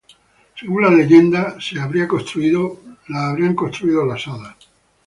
Según la leyenda habría sido construido por hadas.